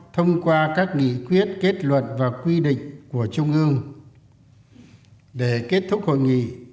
thông qua các nghị quyết kết luận và quy định của trung ương để kết thúc hội nghị